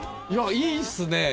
いいっすね！